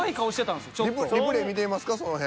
リプレイ見てみますかその辺。